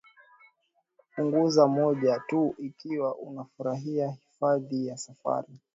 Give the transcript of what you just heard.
kupunguza moja tu ikiwa unafurahia Hifadhi ya safari